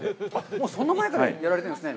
もうそんな前からやられているんですね。